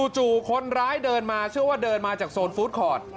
จู่คนร้ายเดินมาเชื่อว่าเดินมาจากโซนฟู้ดคอร์ด